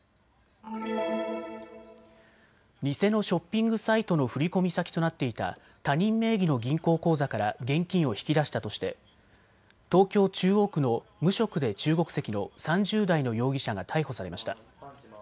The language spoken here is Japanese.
偽のショッピングサイトの振込先となっていた他人名義の銀行口座から現金を引き出したとして東京中央区の無職で中国籍の３０代の容疑者が逮捕されました。